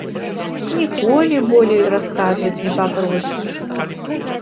Ніколі болей расказваць не папросіць.